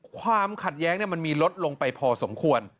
ความขัดแย้งมันมีลดลงไปพอสมควร